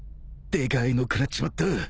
でかいの食らっちまった